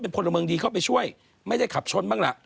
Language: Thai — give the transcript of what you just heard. พลเมืองดีเข้าไปช่วยไม่ได้ขับชนบ้างล่ะ